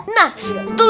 nah setuju tuh